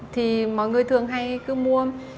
thì mọi người thường hay cứ mua